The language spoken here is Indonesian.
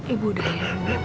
ibu udah ya